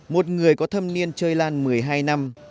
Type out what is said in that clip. một người có thâm niên chơi lan một mươi hai năm